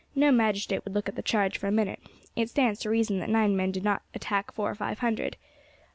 No magistrate would look at the charge for a minute. It stands to reason that nine men did not attack four or five hundred.